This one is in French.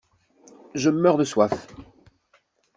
Je meurs de soif.